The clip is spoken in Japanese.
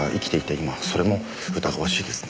今それも疑わしいですね。